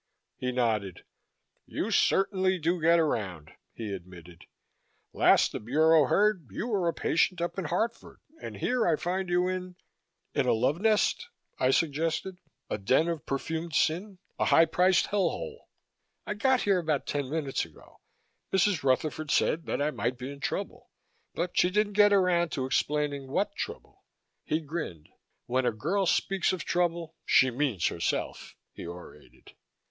He nodded. "You certainly do get around," he admitted. "Last the Bureau heard you were a patient up in Hartford, and here I find you in " "In a love nest," I suggested. "A den of perfumed sin. A high priced hell hole. I got here about ten minutes ago. Mrs. Rutherford said that I might be in trouble but she didn't get around to explaining what trouble." He grinned. "When a girl speaks of trouble, she means herself," he orated.